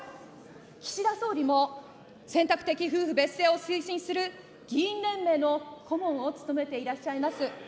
岸田総理も選択的夫婦別姓を推進する議員連盟の顧問を務めていらっしゃいます。